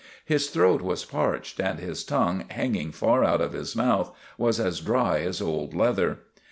His throat was parched and his tongue, hanging far out of his mouth, was as dry as old leather.